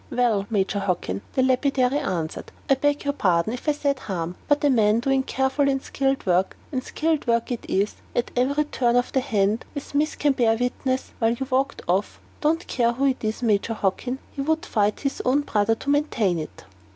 "Well, Major Hockin," the lapidary answered, "I beg your pardon, if I said harm. But a man doing careful and skilled work and skilled work it is, at every turn of the hand, as miss can bear witness, while you walked off he don't care who it is, Major Hockin, he would fight his own brother to maintain it."